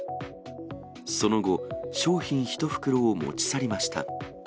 その後、商品１袋を持ち去りました。